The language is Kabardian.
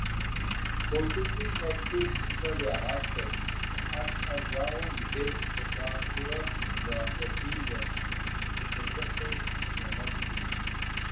Бо кӀыфӀым щӀэту шыхэр ягъашхэрт, пщыхьэщхьэ жьауэм и деж къыщӀашурэ зрагъэукъуэдийуэ, телъэщӀыхьу, ягъэпскӀыу.